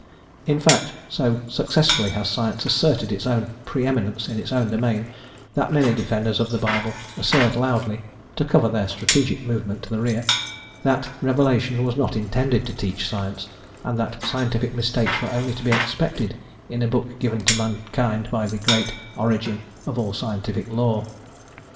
In fact so successfully has science asserted its own preeminence in its own domain that many defenders of the Bible assert loudly, to cover their strategic movement to the rear, that revelation was not intended to teach science, and that scientific mistakes were only to be expected in a book given to mankind by the great Origin of all scientific law.